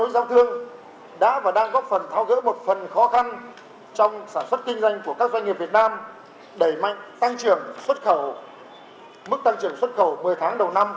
các hoạt động kết nối giao thương đã và đang góp phần thao gỡ một phần khó khăn